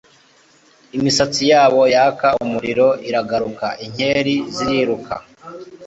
imisatsi yabo yaka umuriro iraguruka, inkeri ziriruka-